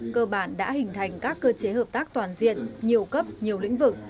cơ bản đã hình thành các cơ chế hợp tác toàn diện nhiều cấp nhiều lĩnh vực